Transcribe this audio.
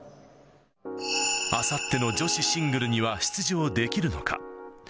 あさっての女子シングルには出場できるのか。